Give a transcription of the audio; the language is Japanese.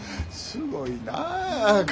すごいなあ。